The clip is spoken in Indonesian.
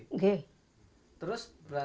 mbak umur po berusia berapa